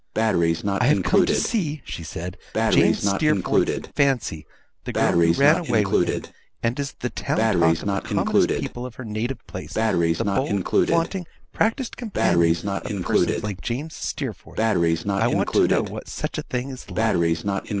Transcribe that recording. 'I have come to see,' she said, 'James Steerforth's fancy; the girl who ran away with him, and is the town talk of the commonest people of her native place; the bold, flaunting, practised companion of persons like James Steerforth. I want to know what such a thing is like.